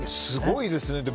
すごいですね。